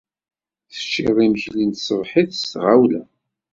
Teččid imekli n tṣebḥit s tɣawla.